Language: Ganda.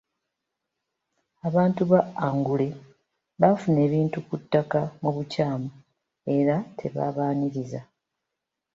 Abantu ba Angule baafuna ebintu ku ttaka mu bukyamu era tebaabaniriza.